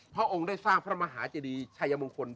พระองค์ได้สร้างพระมหาเจดีชัยมงคล